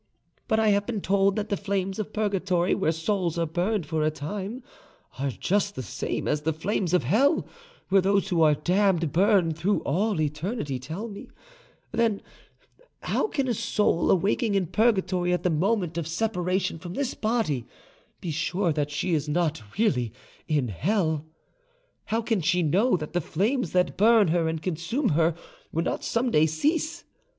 But I have been told that the flames of purgatory where souls are burned for a time are just the same as the flames of hell where those who are damned burn through all eternity tell me, then, how can a soul awaking in purgatory at the moment of separation from this body be sure that she is not really in hell? how can she know that the flames that burn her and consume not will some day cease?